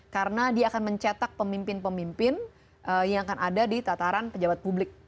karena dia akan mencetak pemimpin pemimpin yang akan ada di tataran pejabat publik